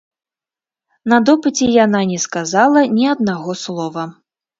На допыце яна не сказала ні аднаго слова.